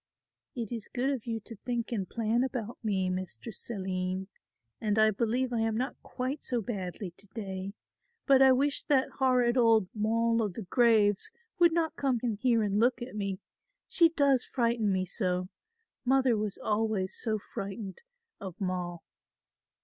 "It is good of you to think and plan about me, Mistress Aline, and I believe I am not quite so badly to day, but I wish that horrid old 'Moll o' the graves' would not come in here and look at me. She does frighten me so. Mother was always so frightened of Moll."